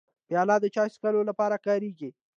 پیاله د چای څښلو لپاره کارېږي.